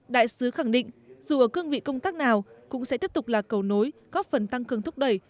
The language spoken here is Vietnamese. đại sứ khẳng định dù ở cương vị công tác nào cũng sẽ tiếp tục là cầu nối góp phần tăng cường thúc đẩy